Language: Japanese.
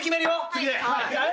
次で。